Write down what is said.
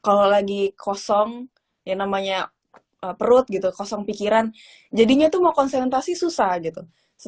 kalau lagi kosong yang namanya perut gitu kosong pikiran jadinya tuh mau konsentrasi susah gitu